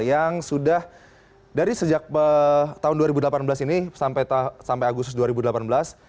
yang sudah dari sejak tahun dua ribu delapan belas ini sampai agustus dua ribu delapan belas